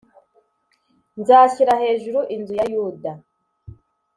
nzashyira hejuru inzu ya yuda